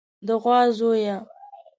د غوا زويه.